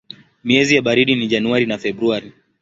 Miezi ya baridi ni Januari na Februari.